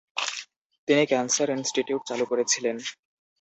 তিনি cancer institute চালু করেছিলেন।